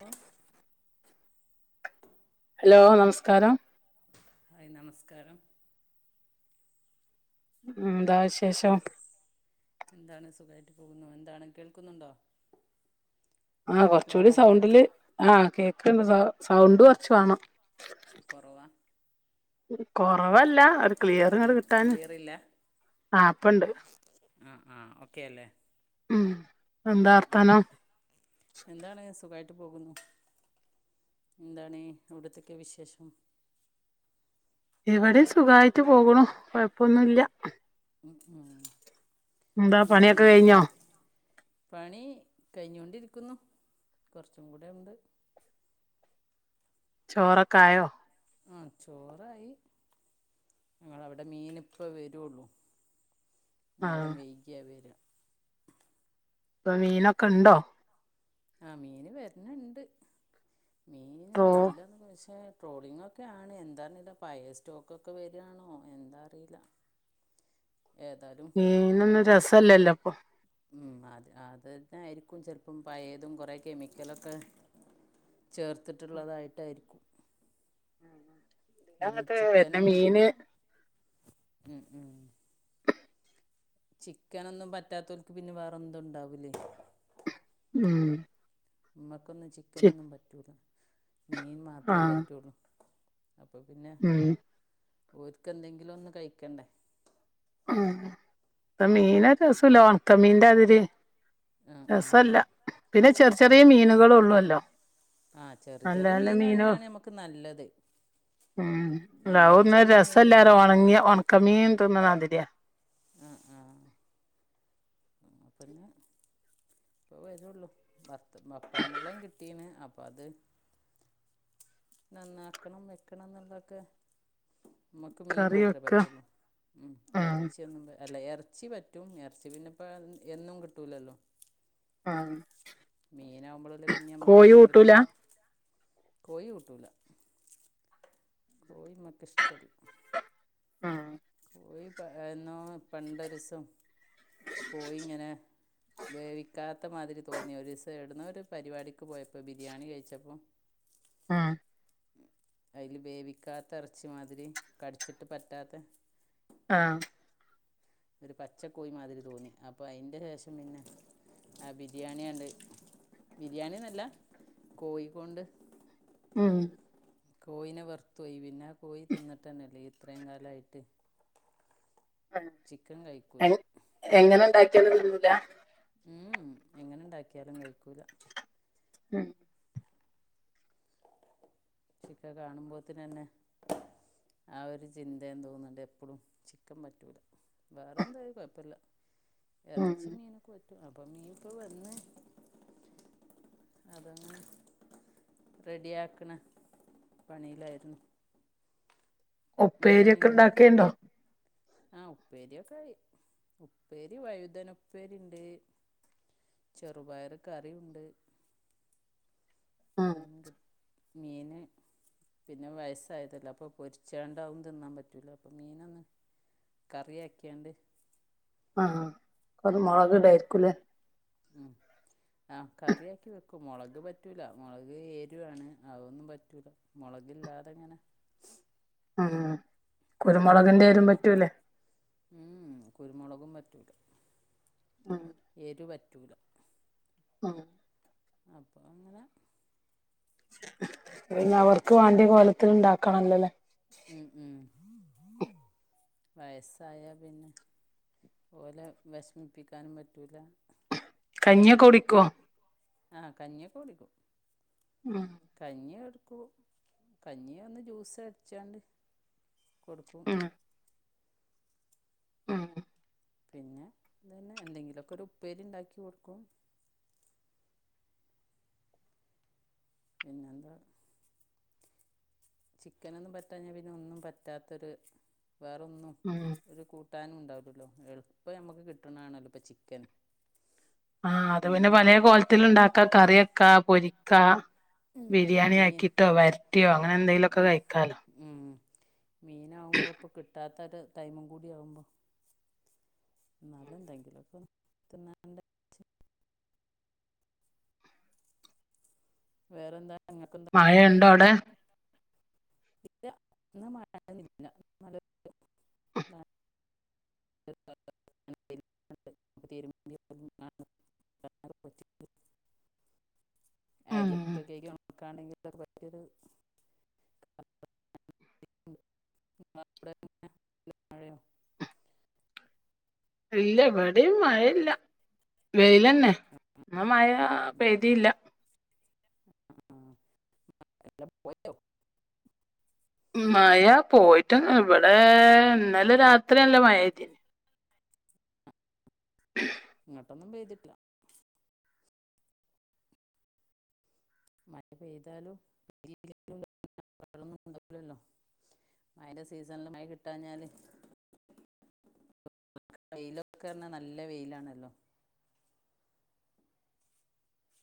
Hello hello നമസ്കാരം hi നമസ്കാരം ഉം എന്താ വിശേഷം എന്താണ് സുഖായിട്ട് പോകുന്നു എന്താണ് കേൾക്കുന്നുണ്ടോ ആഹ് ഹലോ കൊറച്ചുകൂടി സൗണ്ടില് ആ കേ ണ്ട് സ സൗണ്ട് കൊറച്ചുവേണം [inaudible] [unintelligible] കോ കൊറവല്ല ഒരു ഏ ക്ലിയർങ്ങട് കിട്ടാൻ ക്ലിയർ ഇല്ല ആ ഇപ്പണ്ട് ആ ആ ഓക്കേ അല്ലേ? ഉം എന്താ വർത്താനം എന്താണ് സൊഖായിട്ട് പോകുന്നു എന്താണ് അവിടുത്തൊക്കെ വിശേഷം ഇവിടെ സുഖയിട്ട് പോകുണൂ കൊഴപ്പൊന്നൂല്ല ഉം ഉം. എന്താ എന്താണ് പണിയൊക്കെ കഴിഞ്ഞോ? പണി കഴിഞ്ഞൊണ്ടിരിക്കുന്നു [inaudible] ചോറൊക്ക ആയോ ആ ചോറായി ങ്ങളവിടെ മീനിപ്പ വരുള്ളു ആ നേരം വൈകിയ വര ഇപ്പൊ മീനൊക്കെ ഇണ്ടോ ആ മീന് വരണണ്ട് മീൻ ട്രോ വരില്ലെന്ന് [inaudible] ട്രോളിംഗ്ക്കെയാണ് എന്താ അറിഞ്ഞിട്ടാ പഴയ സ്റ്റോക്കൊക്കെ വരിയാണോ എന്താ അറിയില്ല ഏതായാലും പീ ന്നൊന്ന് രസല്ലല്ലോ? [inaudible] ഉ അത് അതെ ന്നായിരിക്കും ചിലപ്പം പയതും കുറേ കെമിക്കലൊക്കെ ചേർത്തിട്ടുള്ളതായിട്ടായിരിക്കും- ഇനി ചിക്കനൊന്നും [unintelligible] ഉം ഉം ചിക്കനൊന്നും പറ്റാത്തോക്ക് പിന്നെ വേറെ എന്തുണ്ടാവൂലേ ഉം ഉം ചി ചിക്കനൊന്നും പറ്റൂല്ല മീൻ ആ മാത്രേ പറ്റുള്ളു അപ്പൊ പിന്നെ ഉം ഓർക്കെന്തെങ്കിലും ഒന്നു കഴിക്കണ്ടേ ഉം മീനൊരസുല്ല വാണ്ഉണക്ക മീന്റെ അതിര് ആ ആ രസല്ല പിന്നെ ചെറിയ ഏ ചെറിയ മീനുകളളൊള്ളൂ വല്ലോ ആ ചെറിയ നല്ല ചെറിയ നല്ല മീൻ മീനോ തന്നെയാണ് നമുക്ക് നല്ലത് ഉം നല്ലത് ലാവോമേ ചെറിയ മീനുകൾ രസല്ലാര ഉണങ്ങിയ ഉണക്കമീൻ തിന്നാതി ത്യാ അ പിന്നെ ഇപ്പ വരുള്ളൂ ഭർത്ത പപ്പടമുള്ളം കിട്ടീനെ പ്പത് നന്നാക്കണം വെക്കണം എന്നൊള്ളക്കെ നമ്മക്ക് മീൻ കറി മാത്രമേ വെക്ക പറ്റുള്ളൂ ഉം ഇറച്ചിയൊന്നും അല്ല എറച്ചി പറ്റും എറച്ചി പിന്നെ ഇപ്പ എന്നും കിട്ടൂലല്ലോ ആ മീനാകുമ്പോളല്ലേ പിന്നെ നമ്മക്ക് കൂട്ടൂല എപ്പഴേങ്കിലൊക്കെ കോയി കൂട്ടൂല കോഴി നമ്മക്കിഷ്ടല്ല ആ കോയിപ്പഎന്നോ പണ്ടൊരുസം കോയി ഇങ്ങനെ വേവിക്കാത്ത മാതിരി തോന്നി ഒരിസം ഏടുന്നോ ഒരു പരിപാടിക്ക് പോയപ്പം ബിരിയാണി കഴിച്ചപ്പം ആ അയില് വേവിക്കാത്ത ഇറച്ചി മാതിരി കടിച്ചിട്ട് പറ്റാത്തെ ആഹ് ഒരു പച്ചക്കോഴി മാതിരി തോന്നി അപ്പൊ അയിൻ്റെ ശേഷം പിന്നെ ആ ബിരിയാണിയണ്ട് ബിരിയാണി എന്നല്ല കോയികൊണ്ട് ഉം കോയിന വെറുത്തു പോയി പിന്നെ കോയി തിന്നിട്ടെന്നെല്ലേ ഇത്രേയും കാലായിട്ട് എ ചിക്കൻ കഴിക്കില്ല നൊന്നും തിന്നൂല ഉം എങ്ങനുണ്ടാക്കിയാലും കഴിക്കൂല ഉം ചിക്ക കാണുമ്പോത്തിനന്ന ആ ഒരു ചിന്തയും തോന്നുണ്ട് എപ്പളും ചിക്കൻ പറ്റൂല വേറെന്താലും കുഴപ്പമില്ല ഉം എറച്ചി മീനക്കൊ അപ്പൊ മീം ഇപ്പൊ വന്നേ അതങ്ങനെ റെഡിയാക്കണേ പണിയിലായിരുന്നു എന്താണ് ഒപ്പേരിയൊക്കെ ഇങ്ങനെ ഇണ്ടാക്കേണ്ടോ ആ ഉപ്പേരിയൊക്കെ ആയി ഉപ്പേരി വഴുതന ഉപ്പേരി ഉണ്ട് ചെറുപയറ് കറി ഉണ്ട് ഉം മീന് പിന്നെ വയസായതല്ലോ അപ്പം പൊരിച്ചേണ്ടാവും തിന്നാൻ പറ്റൂല അപ്പം മീനൊന്ന് കറിയാക്കീണ്ട് ആ ആ ആ കറിയാക്കി വെക്ക മൊളക് പറ്റൂല മൊളക് എരു ആണ് അതൊന്നും പറ്റൂല മൊളകില്ലാതങ്ങനെ ആ ഇന്ന് ഇണ്ടാക്കി ഉം കുരുമുളകും പറ്റ ഉം [inaudible] എരു പറ്റ് ലാ ആ അപ്പ അങ്ങനെ പിന്നെ അവർക്ക് വാണ്ടിയ കോലത്തി ഉണ്ടാക്കണല്ലോല്ലേ വയസായാൽ പിന്നെ ഓലെ വെ ഷമിപ്പിക്കാനും പറ്റൂല്ല ഞ്ഞിയൊക്കെ കുടിക്കോ ആ കഞ്ഞിയോക്കെ കുടിക്കും ഉം കഞ്ഞിയെടു കഞ്ഞിയ ഒന്ന് ജ്യൂസ് അട്ച്ചാണ്ട് കൊടുക്കും ഉം ഉം പിന്നെ ഇതെന്നെ എന്തെങ്കിലുമൊക്കെ ഒരു ഉപ്പേരി ഉണ്ടാക്കി കൊടുക്കും പിന്നെന്താ ചിക്കനൊന്നും പറ്റാഞ്ഞാൽ പിന്നെ ഒന്നും പറ്റാത്തൊരു വേറൊന്നും ഉം ഒരു കൂട്ട കിട്ടാനും ഉണ്ടാവില്ലല്ലോ എളുപ്പം നമുക്ക് കിട്ടണാണല്ലോ ഇപ്പം ചിക്കൻ ആഹ അത് പിന്നെ പലേ മീനെപ്പോഴും കോൽ ത്തില് ഇണ്ടാക്കാ കറിയക്കാ പൊരിക്കാ ബിരിയാണി മീൻ ആക്കിട്ടോ വരട്ടിയോ അങ്ങനെ എന്തെങ്കിലുംക്കെ കഴിക്കാലോ മീനാകുമ്പോ ഇപ്പം കിട്ടാത്ത ത്തൊരു ടൈമും കൂടിം ആവുമ്പോ എന്നാലും എന്തെങ്കിലൊക്കെ തിന്ന വേറെ എന്താണ് മഴയുണ്ടോ അവിടെ ഇല്ല ഇന്ന് മഴ ഇല്ല ആ ഉം [unintelligible] [unintelligible] ഇല്ല ഇവിടിം മഴയില്ല വെയിലന്നെ എന്ന മഴ പെയ്തീല്ല ആ [unintelligible] മഴ പോയിട്ട് ഇവിടെ ഇന്നല രാത്രിയല്ല മഴയ്തീനി ഇങ്ങട്ടൊന്നും പെയ്തിട്ടില്ല മഴ പെയ്താലും [unintelligible] മഴന്റെ സീസണില് മഴ കിട്ടാഞ്ഞാല് വെയിലൊക്കെർഞ്ഞാ നല്ല വെയിലാണല്ലോ